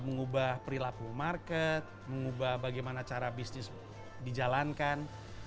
mengubah perilaku market mengubah bagaimana cara bisnis dijalankan